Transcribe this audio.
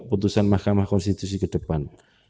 putusan mk ke depan